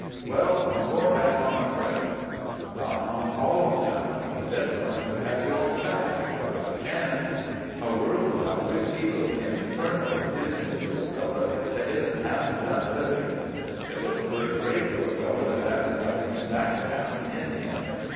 "Well, I'm going back on my friends." "Not on all of them; the dead ones would pat you on the back, if they got a chance." "A world without whisky looks infernally dismal to a fellow that isn't half done living." "It looks first rate to a fellow that hasn't got any backdown in him."